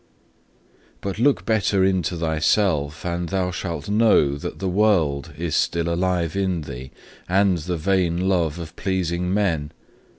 2. "But look better into thyself, and thou shalt know that the world is still alive in thee, and the vain love of pleasing men.